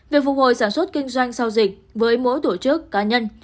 về phục hồi sản xuất kinh doanh sau dịch với mỗi tổ chức cá nhân